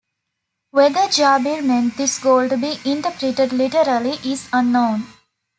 Whether Jabir meant this goal to be interpreted literally is unknown.